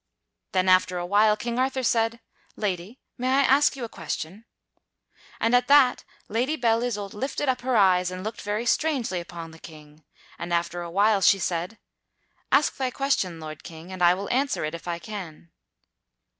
Then after a while King Arthur said, "Lady, may I ask you a question?" And at that Lady Belle Isoult lifted up her eyes and looked very strangely upon the King, and after a while she said, "Ask thy question, Lord King, and I will answer it if I can."